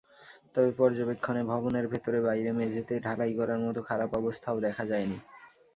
তবে পর্যবেক্ষণে ভবনের ভেতরে-বাইরে মেঝেতে ঢালাই করার মতো খারাপ অবস্থাও দেখা যায়নি।